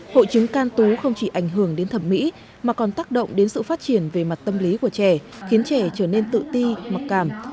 hội chứng can tú không chỉ ảnh hưởng đến thẩm mỹ mà còn tác động đến sự phát triển về mặt tâm lý của trẻ khiến trẻ trở nên tự ti mặc cảm